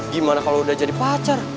gimana kalau udah jadi pacar